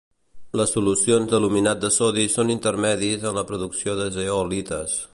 Les solucions d'aluminat de sodi són intermedis en la producció de zeolites.